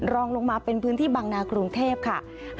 รองลงมาเป็นพื้นที่บังนากรุงเทพค่ะ